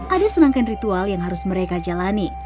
ada senangkan ritual yang harus mereka jalani